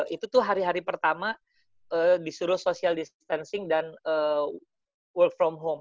itu tuh hari hari pertama disuruh social distancing dan work from home